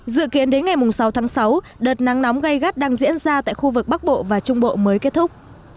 dự kiến đến ngày sáu tháng sáu đợt nắng nóng gây gắt đang diễn ra tại khu vực bắc bộ và trung bộ mới kết thúc